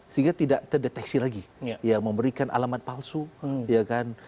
sehingga tidak terdeteksi lagi ya memberikan alamat palsu ya kan